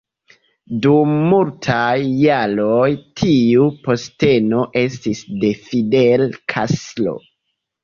Dum multaj jaroj tiu posteno estis de Fidel Castro.